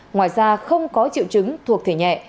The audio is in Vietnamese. ngoài ra không có triệu chứng thuộc thể nhẹ